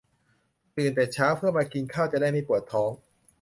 ตื่นแต่เช้าเพื่อมากินข้าว จะได้ไม่ปวดท้อง